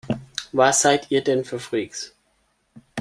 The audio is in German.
Was seid ihr denn für Freaks?